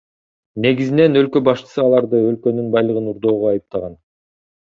Негизинен өлкө башчысы аларды өлкөнүн байлыгын урдоого айыптаган.